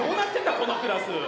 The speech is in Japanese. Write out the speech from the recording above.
このクラス。